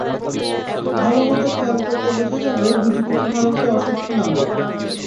ভালোমতো খেয়াল করলে বোঝা যাবে, গুটি গুটি হরফে অসংখ্য নাম লেখা।